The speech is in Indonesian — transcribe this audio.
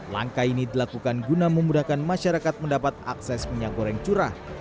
langkah ini dilakukan guna memudahkan masyarakat mendapat akses minyak goreng curah